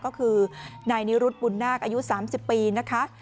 ก็คือนายนิรุธบุญนาคอายุ๓๐ปีนะคะ